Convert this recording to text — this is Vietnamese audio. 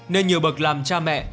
nên nhiều bực làm cha mẹ